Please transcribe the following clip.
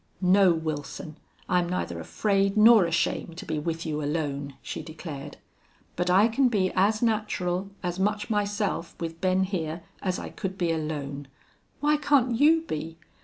"No, Wilson, I'm neither afraid nor ashamed to be with you alone," she declared. "But I can be as natural as much myself with Ben here as I could be alone. Why can't you be?